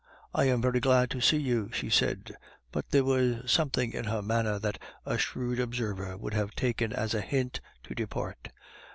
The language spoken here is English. I am very glad to see you," she said, but there was something in her manner that a shrewd observer would have taken as a hint to depart.